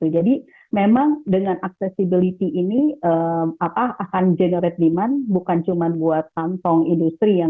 jadi memang dengan accessibility ini akan generate demand bukan cuma buat kantong industri